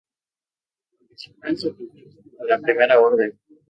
Participó de su conflicto contra la Primera Orden.